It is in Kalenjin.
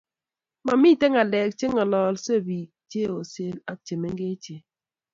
Mamiten ngalek chengololse biik cheyosen ak chemengech